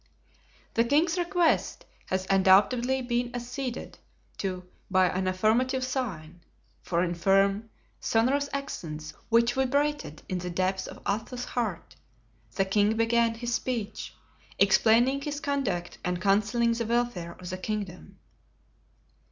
The king's request had undoubtedly been acceded to by an affirmative sign, for in firm, sonorous accents, which vibrated in the depths of Athos's heart, the king began his speech, explaining his conduct and counseling the welfare of the kingdom.